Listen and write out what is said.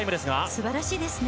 素晴らしいですね。